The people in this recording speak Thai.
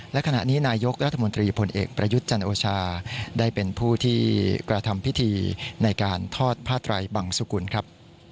และขณะนี้นายกรัฐมนตรีผลเอกประยุทธ์จันโอชาได้เป็นผู้ที่กระทำพิธีในการทอดผ้าไตรบังสุกุลครับ